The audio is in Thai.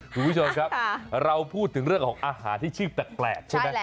คุณผู้ชมครับเราพูดถึงเรื่องของอาหารที่ชื่อแปลกใช่ไหม